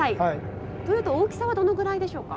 というと大きさはどのくらいでしょうか。